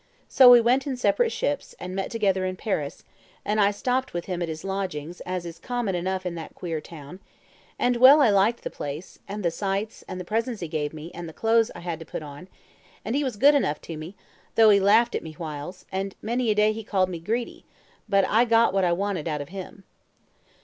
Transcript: So we went in separate ships, and met together in Paris; and I stopped with him at his lodgings, as is common enough in that queer town; and well I liked the place, and the sights, and the presents he gave me, and the clothes I had to put on; and he was good enough to me, though he laughed at me whiles; and many a day he called me greedy, but I aye got what I wanted out of him.